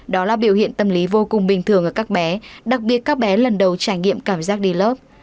đó là biểu hiện tâm lý vô cùng bình thường ở các bé đặc biệt các bé lần đầu trải nghiệm cảm giác đi lớp